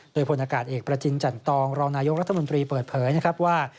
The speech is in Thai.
โดยพลอากาศเอกประจินจันตองรองนายกรัฐมนตรีเปิดเผยนะครับว่า